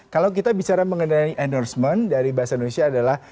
kalau kita bicara mengenai endorsement dari bahasa indonesia adalah